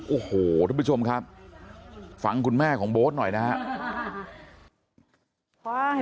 โอ้โหทุกผู้ชมครับฟังคุณแม่ของโบ๊ทหน่อยนะครับ